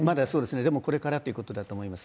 でもこれからということだと思います。